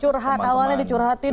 curhat awalnya dicurhatin